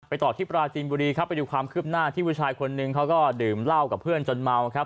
ต่อที่ปราจีนบุรีครับไปดูความคืบหน้าที่ผู้ชายคนนึงเขาก็ดื่มเหล้ากับเพื่อนจนเมาครับ